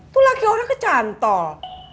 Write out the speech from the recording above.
tuh laki laki kecantol